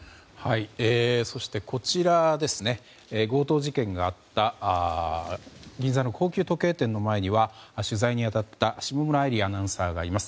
そして、強盗事件があった銀座の高級時計店の前には取材に当たった下村彩里アナウンサーがいます。